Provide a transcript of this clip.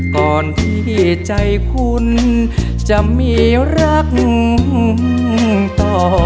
ก่อนที่ใจคุณจะมีรักต่อ